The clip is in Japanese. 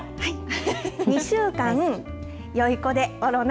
２週間、よい子でおろな。